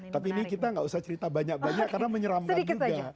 tapi ini kita nggak usah cerita banyak banyak karena menyeramkan juga